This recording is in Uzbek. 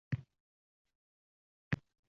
Yashil ko’zlaringni chaqnatib menga